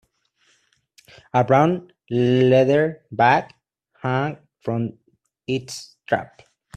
A brown leather bag hung from its strap.